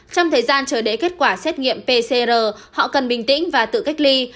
trong thời gian chờ đợi kết quả xét nghiệm pcr họ cần bình tĩnh và tự cách ly